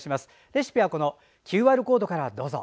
レシピはＱＲコードからどうぞ。